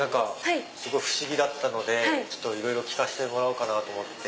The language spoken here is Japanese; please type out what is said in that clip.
すごい不思議だったのでいろいろ聞かせてもらおうかなと思って。